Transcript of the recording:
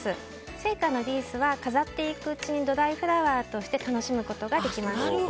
生花のリースは飾っていくうちにドライフラワーとして楽しむことができます。